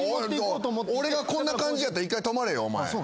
俺がこんな感じやったら１回止まれよお前。